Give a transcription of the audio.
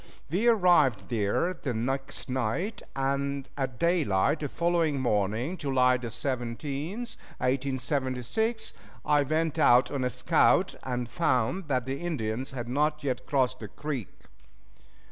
We arrived there the next night, and at daylight the following morning, July 17, 1876, I went out on a scout, and found that the Indians had not yet crossed the creek.